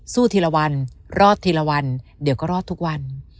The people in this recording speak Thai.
ทีละวันรอดทีละวันเดี๋ยวก็รอดทุกวัน